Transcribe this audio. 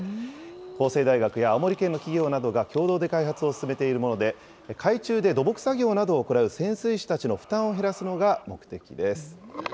法政大学や青森県の企業などが共同で開発を進めているもので、海中で土木作業などを行う潜水士たちの負担を減らすのが目的です。